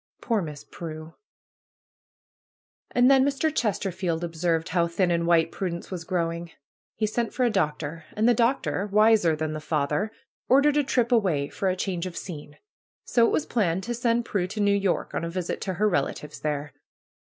Poor Miss Prue ! And then Mr. Chesterfeld observed how thin and white Prudence was growing. He sent for a doctor. And the doctor, wiser than the father, ordered a trip away for a change of scene. So it was planned to send Prue to New York on a visit to her relatives there.